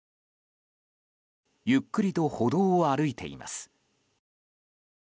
ゆっくりと歩道を歩いています。